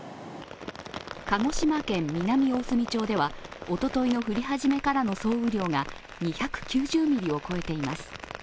鹿児島県南大隅町ではおとといの降り始めからの総雨量が２９０ミリを超えています。